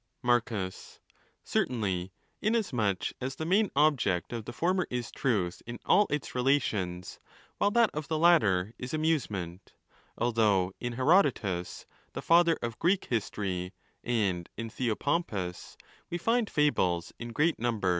Marcus.—Certainly ; inasmuch as the main object of the former is truth in all its relations, while that of the latter is amusement ; although in Herodotus,' the father of Greek history, and in Theopompus, we find fables in great numbers.